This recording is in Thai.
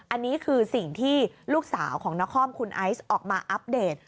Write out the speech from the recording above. อันนี้คือสิ่งที่ลูกสาวของนครคุณไอซ์ออกมาอัปเดต